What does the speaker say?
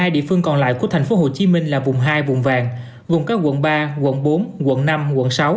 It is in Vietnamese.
một mươi địa phương còn lại của tp hcm là vùng hai vùng vàng gồm các quận ba quận bốn quận năm quận sáu